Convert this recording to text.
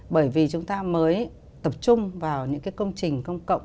bởi vì chúng ta mới tập trung vào những cái công trình công cộng